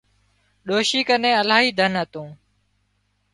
ڏوشي ڪنين الاهي ڌن هتون